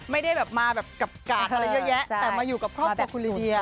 ไม่ได้แบบมาแบบกับกาดอะไรเยอะแยะแต่มาอยู่กับครอบครัวคุณลิเดีย